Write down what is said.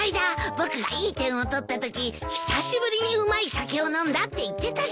僕がいい点を取ったとき久しぶりにうまい酒を飲んだって言ってたじゃない。